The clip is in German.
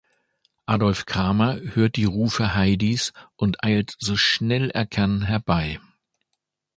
Adolph Kramer hört die Rufe Heidis und eilt so schnell er kann herbei.